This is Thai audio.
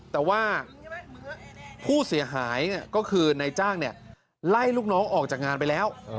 แต่ว่าผู้เสียหายก็คือนายจ้างไล่ลูกน้องออกจากงานไปแล้ว